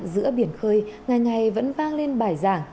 giữa biển khơi ngày ngày vẫn vang lên bài giảng